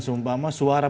sumpah sama suara